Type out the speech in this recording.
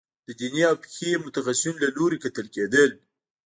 د دیني او فقهي متخصصینو له لوري کتل کېدل.